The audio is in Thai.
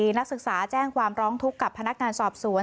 นักศึกษาแจ้งความร้องทุกข์กับพนักงานสอบสวน